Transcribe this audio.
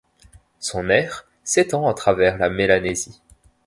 Son aire s'étend à travers la Mélanésie.